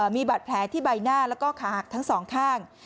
มีบาดแผลที่ใบหน้าแล้วก็ขาหักทั้งสองข้าง